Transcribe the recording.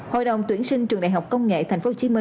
hội đồng tuyển sinh trường đại học công nghệ tp hcm